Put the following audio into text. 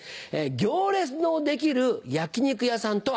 行列のできる焼き肉屋さんとは？